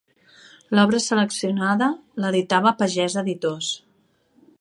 L'obra seleccionada l'editava Pagès Editors.